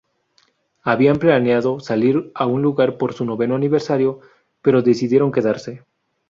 Habían planeado salir a un lugar por su noveno aniversario, pero decidieron quedarse.